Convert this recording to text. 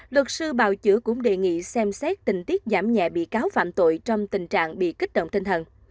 luật sư bào chữa cũng đề nghị xem xét tình tiết giảm nhẹ bị cáo phạm tội trong tình trạng bị kích động tinh thần